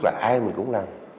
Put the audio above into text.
là ai mình cũng làm